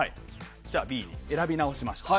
じゃあＢを選び直しました。